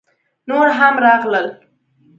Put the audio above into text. _نور هم راغلل!